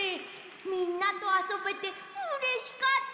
みんなとあそべてうれしかった！